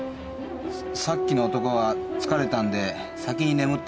さっきの男は疲れたんで先に眠ってます。